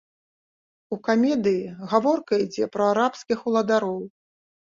У камедыі гаворка ідзе пра арабскіх уладароў.